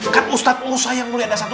kan ustadz ursa yang mulia dasar itu